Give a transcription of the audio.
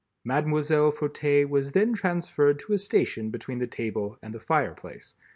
Mlle. Fauteuil was then transferred to a station between the table and the fire place.